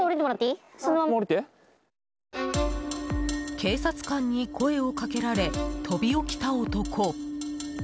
警察官に声をかけられ飛び起きた男。